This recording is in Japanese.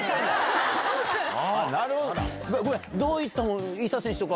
なるほど！